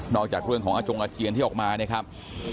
จากเรื่องของอาจงอาเจียนที่ออกมาเนี่ยครับ